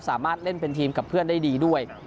สามารถเล่นเป็นทีมกับเพื่อนได้ดีด้วย